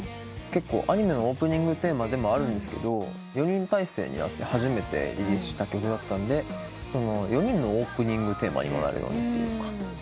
アニメのオープニングテーマでもあるんですけど４人体制になって初めてリリースした曲だったんで４人のオープニングテーマにもなるようにというか。